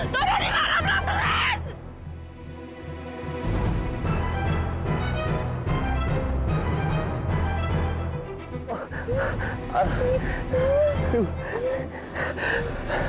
tolong dimarahkan peran